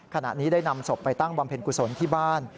ขณะนี้ได้นำศพไปตั้งบำเพ็ญกุศลที่บ้าน